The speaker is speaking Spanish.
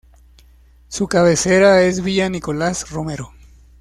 Su cabecera es Villa Nicolás Romero.